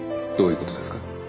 どういう事ですか？